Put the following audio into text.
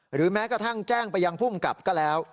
หรือแม้กระทั่งแจ้งไปยังผู้กำกับก็แล้ว